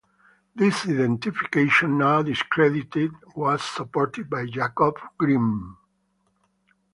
This identification, now discredited, was supported by Jacob Grimm.